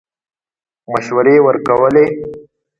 مشورې ورکولې.